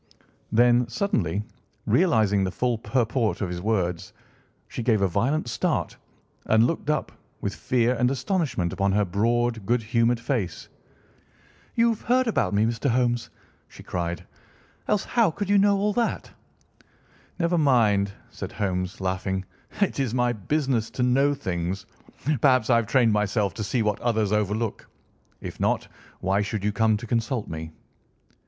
Then, suddenly realising the full purport of his words, she gave a violent start and looked up, with fear and astonishment upon her broad, good humoured face. "You've heard about me, Mr. Holmes," she cried, "else how could you know all that?" "Never mind," said Holmes, laughing; "it is my business to know things. Perhaps I have trained myself to see what others overlook. If not, why should you come to consult me?"